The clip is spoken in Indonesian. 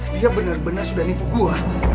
dia benar benar sudah nipu gua